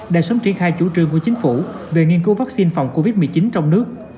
để sớm triển khai chủ trương của chính phủ về nghiên cứu vaccine phòng covid một mươi chín trong nước